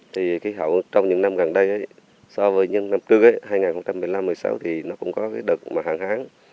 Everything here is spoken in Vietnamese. thì khí hậu trong những năm gần đây so với những năm trước hai nghìn một mươi năm hai nghìn một mươi sáu thì nó cũng có đợt hạn hán